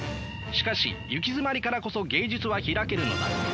しかしゆきづまりからこそ芸術は開けるのだ。